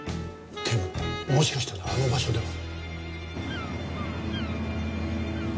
警部もしかしたらあの場所では？